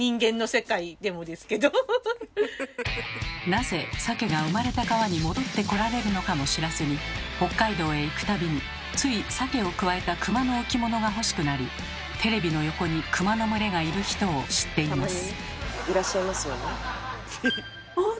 なぜサケが生まれた川に戻ってこられるのかも知らずに北海道へ行く度についサケをくわえた熊の置物が欲しくなりテレビの横に熊の群れがいる人を知っています。